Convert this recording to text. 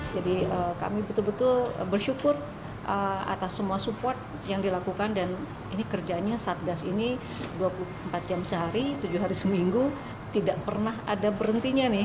jadi kami betul betul bersyukur atas semua support yang dilakukan dan ini kerjanya satgas ini dua puluh empat jam sehari tujuh hari seminggu tidak pernah ada berhentinya nih